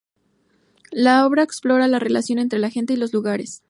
La obra explora la relación entre la gente y los lugares.